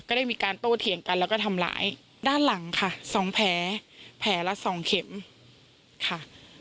ได้มีการโต้เถียงกันแล้วก็ทำร้ายด้านหลังค่ะสองแผลแผลละสองเข็มค่ะ